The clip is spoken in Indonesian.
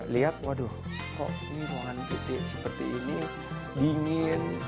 lihat waduh kok ini ruangan titik seperti ini dingin